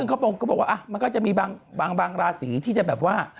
เขาบอกว่ามันก็จะมีบางราศีที่จะแบบว่า